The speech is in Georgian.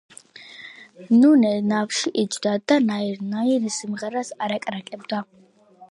ნუნე ნავში იჯდა და ნაირ-ნაირ სიმღერას არაკრაკებდა.